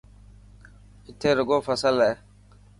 اٿي رڳو فصل هي.